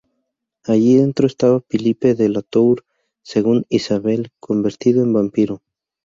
Allí dentro estaba Philippe de Latour, según Isabelle, convertido en vampiro.